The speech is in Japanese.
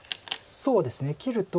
そうですね切ると。